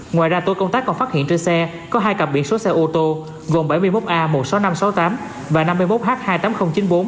ngoài ra tổ công tác còn phát hiện trên xe có hai cặp biển số xe ô tô gồm bảy mươi một a một mươi sáu nghìn năm trăm sáu mươi tám và năm mươi một h hai mươi tám nghìn chín mươi bốn